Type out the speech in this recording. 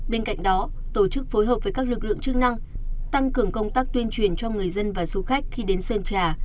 bên cạnh đó tổ chức phối hợp với các lực lượng chức năng tăng cường công tác tuyên truyền cho người dân và du khách khi đến sơn trà